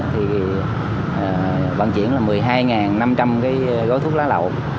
thì vận chuyển là một mươi hai năm trăm linh cái gói thuốc lá lậu